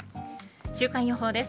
週間予報です。